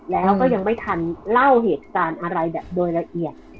แล้วก็ยังไม่ทันเล่าเหตุการณ์อะไรแบบโดยละเอียด